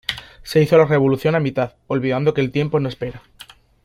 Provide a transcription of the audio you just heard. Se hizo la revolución a mitad, olvidando que el tiempo no espera.